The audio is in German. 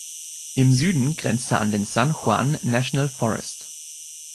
Im Süden grenzt er an den San Juan National Forest